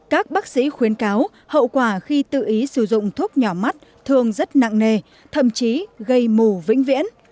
các bác sĩ khuyến cáo hậu quả khi tự ý sử dụng thuốc nhỏ mắt thường rất nặng nề thậm chí gây mù vĩnh viễn